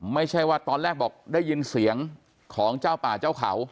ไม่ใช่ว่าตอนแรกบอกได้ยินเสียงของเจ้าป่าเจ้าเขา